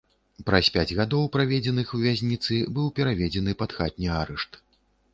Праз пяць гадоў, праведзеных у вязніцы, быў пераведзены пад хатні арышт.